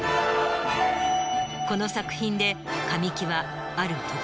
この作品で神木はある。